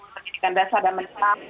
pendidikan dasar dan menang